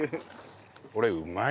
これうまい。